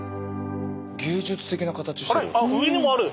芸術的な形してる。